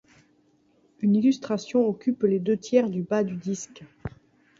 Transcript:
Une illustration occupe les deux-tiers du bas du disque.